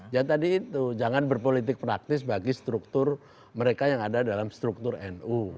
ya tadi itu jangan berpolitik praktis bagi struktur mereka yang ada dalam struktur nu